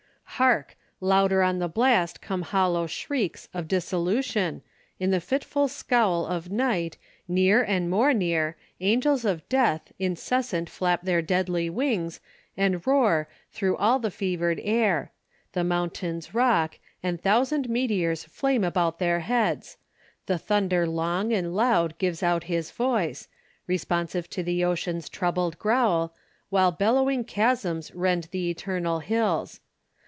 "Hark! louder on the blast come hollow shrieks Of dissolution; in the fitful scowl Of night, near and more near, angels of death Incessant flap their deadly wings, and roar Through all the fevered air: the mountains rock And thousand meteors flame about their heads; The thunder long and loud gives out his voice, Responsive to the ocean's troubled growl, While bellowing chasms rend th' eternal hills.